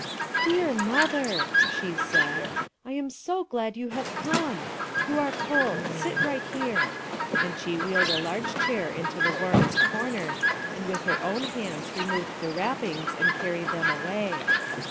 "Dear mother," she said, "I am so glad you have come! You are cold; sit right here," and she wheeled a large chair into the warmest corner, and with her own hands removed the wrappings and carried them away.